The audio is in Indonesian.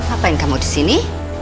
apa yang kamu disini